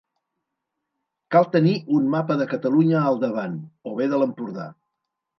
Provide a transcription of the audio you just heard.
Cal tenir un mapa de Catalunya al davant, o bé de l'Empordà.